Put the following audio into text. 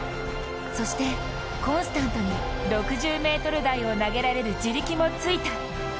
そしてコンスタントに６０ｍ台を投げられる地力もついた。